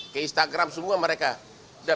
ke instagram semua mereka